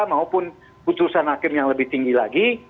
maupun putusan hakim yang lebih tinggi lagi